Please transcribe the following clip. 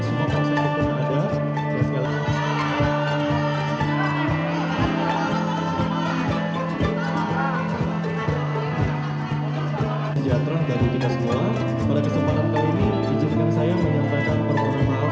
sejajaran bagi kita semua pada kesempatan kali ini diizinkan saya menyampaikan permohonan maaf